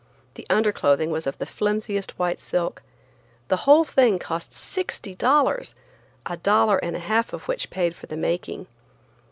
The underclothing was of the flimsiest white silk. The whole thing cost sixty dollars, a dollar and a half of which paid for the making.